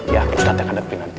ya ustadz yang akan dapetin nanti